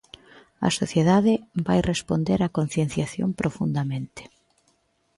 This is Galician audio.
A sociedade vai responder á concienciación profundamente.